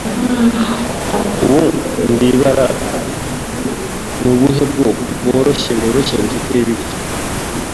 ubu, ndibara. Ni ubuhe bwoko bworoshye bworoshye bufite Bibiliya? ”